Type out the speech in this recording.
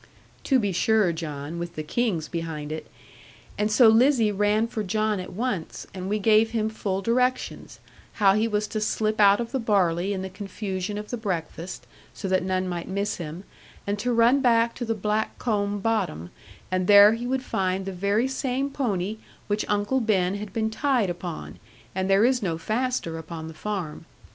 'To be sure, John; with the King's behind it. And so Lizzie ran for John Fry at once, and we gave him full directions, how he was to slip out of the barley in the confusion of the breakfast, so that none might miss him; and to run back to the black combe bottom, and there he would find the very same pony which Uncle Ben had been tied upon, and there is no faster upon the farm.